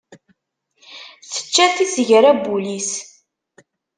Tečča tisegra n wul-iw.